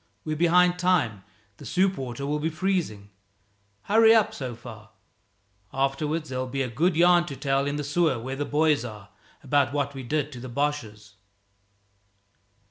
"We're behind time the soup water'll be freezing. Hurry up, so far. Afterwards there'll be a good yarn to tell in the sewer where the boys are, about what we did to the Boches."